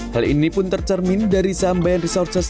hal ini pun tercermin dari sektor batubara yang terkenal di indonesia